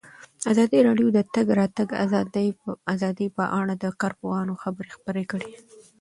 ازادي راډیو د د تګ راتګ ازادي په اړه د کارپوهانو خبرې خپرې کړي.